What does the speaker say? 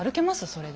それで。